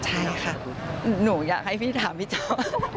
ใช่ค่ะหนูอยากให้พี่ถามพี่เจ้า